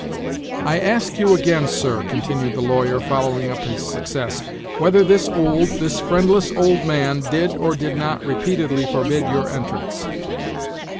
"I ask you again, sir," continued the lawyer, following up his success, "whether this old, this friendless old man, did or did not repeatedly forbid your entrance?"